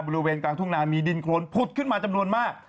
บริเวณกลางทุ่งนามีดินโครนผุดขึ้นมาจำนวนมาก